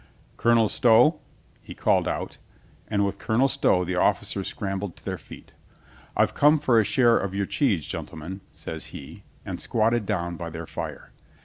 "Colonel Stow?" he called out, and with Colonel Stow the officers scrambled to their feet. "I've come for a share of your cheese, gentlemen," says he, and squatted down by their fire.